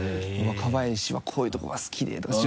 「若林はこういうとこが好きで」とか。